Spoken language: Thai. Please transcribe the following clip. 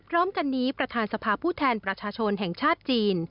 พร้อมกันนี้ประธานสภาพผู้แทนประชาชนแห่งชาติจีน